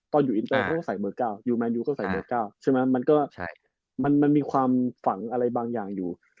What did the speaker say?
ตอนอยู่อินเตอร์เขาก็ใส่มือ๙อยู่แมนูก็ใส่มือ๙ใช่ไหมมันมีความฝังอะไรบางอย่างอยู่